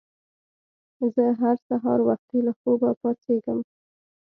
زه هر سهار وختي له خوبه پاڅیږم.